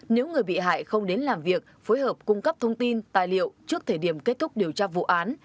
nếu người bị hại không đến làm việc phối hợp cung cấp thông tin tài liệu trước thời điểm kết thúc điều tra vụ án